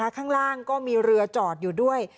ข้างล่างก็มีเรือจอดอยู่ด้วย